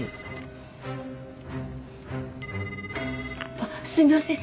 あっすみません。